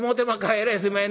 えらいすいまへん。